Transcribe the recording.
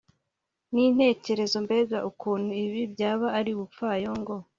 nintekerezo Mbega ukuntu ibi byaba ari ubupfayongo